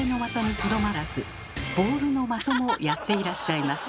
子どもたちの「ボールの的」もやっていらっしゃいます。